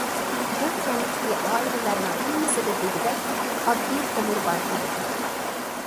بۇ كەنتتىكى ئائىلىلەرنىڭ ھەممىسىدە دېگۈدەك ئاددىي تونۇر بار ئىدى.